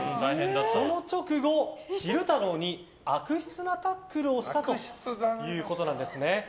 その直後、昼太郎に悪質なタックルをしたということなんですね。